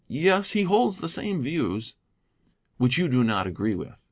"Yes, he holds the same views." "Which you do not agree with."